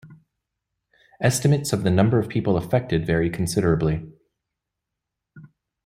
Estimates of the number of people affected vary considerably.